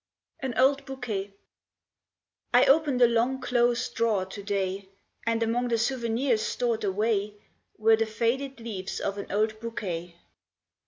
AN OLD BOUQUET I opened a long closed drawer to day, And among the souvenirs stored away Were the faded leaves of an old bouquet.